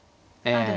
ええ。